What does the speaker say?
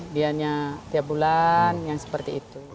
dianya tiap bulan yang seperti itu